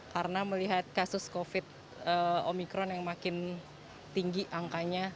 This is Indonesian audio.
karena melihat kasus covid omikron yang makin tinggi angkanya